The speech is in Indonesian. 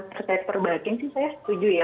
terkait perbakin sih saya setuju ya